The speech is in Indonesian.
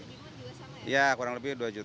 pendapatan biasa ini berapa